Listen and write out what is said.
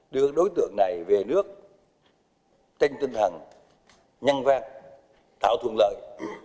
đưa đối tượng này về nước trên tinh thần nhân vang tạo thuận lợi